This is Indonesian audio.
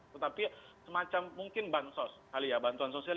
tetapi semacam mungkin bansos kali ya bantuan sosial